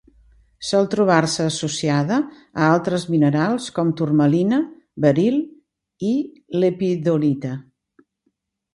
Sol trobar-se associada a altres minerals com: turmalina, beril i lepidolita.